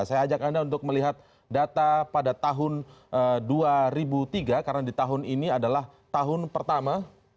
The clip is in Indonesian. saya ajak anda untuk melihat data pada tahun dua ribu tiga karena di tahun ini adalah tahun pertama